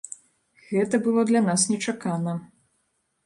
Гэта было для нас нечакана.